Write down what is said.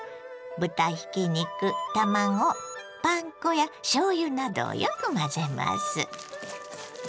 豚ひき肉卵パン粉やしょうゆなどをよく混ぜます。